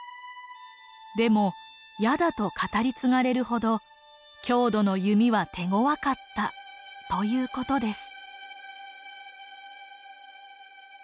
でも矢だと語り継がれるほど匈奴の弓は手ごわかったということです。